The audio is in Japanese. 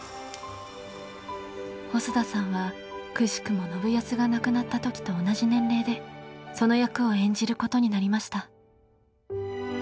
細田さんはくしくも信康が亡くなった時と同じ年齢でその役を演じることになりました。